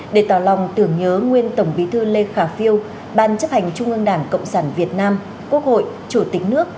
để tỏ lòng tưởng nhớ nguyên tổng bí thư lê khả phiêu ban chấp hành trung ương đảng cộng sản việt nam quốc hội chủ tịch nước